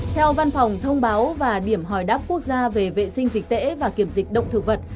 theo văn phòng thông báo và điểm hỏi đáp quốc gia về vệ sinh dịch tễ và kiểm dịch động thực vật